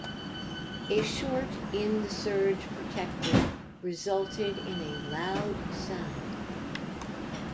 A short in the surge protector resulted in a loud sound.